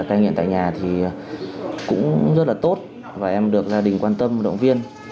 cai nghiện tại nhà thì cũng rất là tốt và em được gia đình quan tâm động viên